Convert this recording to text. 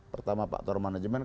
pertama faktor manajemen